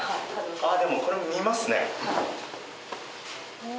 ・あぁでもこれも見ますね。